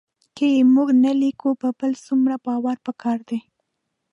که یې موږ نه لیکو په بل څومره باور پکار دی